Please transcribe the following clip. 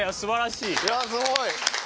いやあすごい！